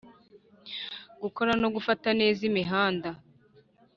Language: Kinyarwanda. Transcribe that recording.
gukora no gufata neza imihanda,